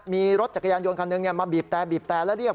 มีรถจักรยานยนต์คันนึงมาบีบแต่แล้วเรียก